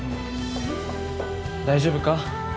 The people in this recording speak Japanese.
大丈夫か？